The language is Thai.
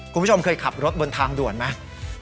คุณผู้ชมเคยขับรถบนทางด่วนไหม